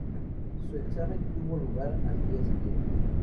Su examen tuvo lugar al día siguiente.